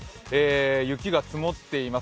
雪が積もっています。